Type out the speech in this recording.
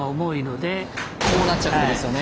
こうなっちゃうってことですよね。